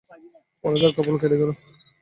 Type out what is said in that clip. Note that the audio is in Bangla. ফলে তার কপাল কেটে গেল।